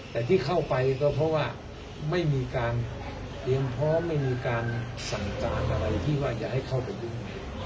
แต่ที่เข้าไปก็เพราะว่าไม่มีการเตรียมพร้อมไม่มีการสั่งการอะไรที่ว่าจะให้เข้าไปยุ่ง